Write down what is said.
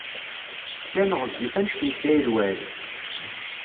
Ken ɣezzif anect n Saɛid Waɛli.